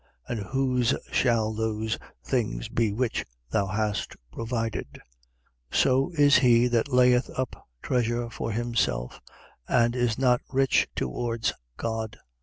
And whose shall those things be which thou hast provided? 12:21. So is he that layeth up treasure for himself and is not rich towards God.